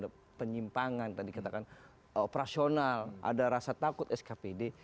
ada penyimpangan tadi katakan operasional ada rasa takut skpd